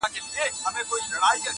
o زه مي د شرف له دایرې وتلای نه سمه,